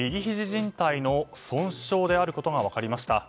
じん帯の損傷であることが分かりました。